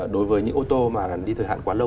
đối với những ô tô mà đi thời hạn quá lâu